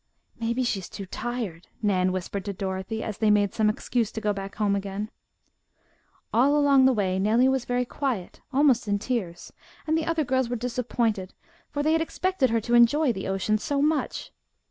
"Maybe she is too tired," Nan whispered to Dorothy, as they made some excuse to go back home again. All along the way Nellie was very quiet, almost in tears, and the other girls were disappointed, for they had expected her to enjoy the ocean so much.